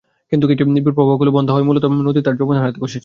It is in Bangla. কিন্তু সেই ক্ষীণ প্রবাহগুলো বন্ধ হওয়ায় মূল নদী তার যৌবন হারাতে বসেছে।